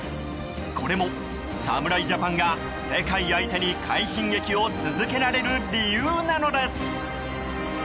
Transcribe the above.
これも侍ジャパンが世界相手に快進撃を続けられる理由なのです。